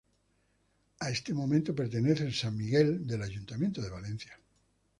A este momento pertenece el "San Miguel" del Ayuntamiento de Valencia.